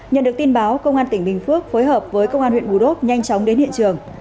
nhận được tin báo công an tỉnh bình phước phối hợp với công an huyện bù đốc nhanh chóng đến hiện trường